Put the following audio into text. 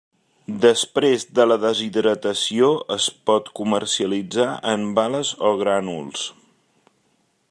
Després de la deshidratació es pot comercialitzar en bales o en grànuls.